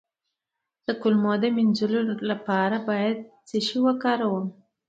د کولمو د مینځلو لپاره باید څه شی وکاروم؟